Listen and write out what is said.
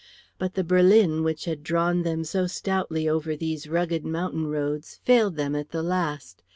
But the berlin, which had drawn them so stoutly over these rugged mountain roads, failed them at the last.